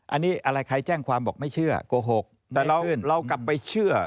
อันนี้อะไรใครแจ้งความบอกไม่เชื่อโกหกแต่เรากลับไปเชื่อ